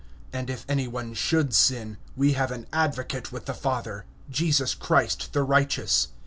And if any one have sinned, we have an advocate with the Father, Jesus Christ the righteous.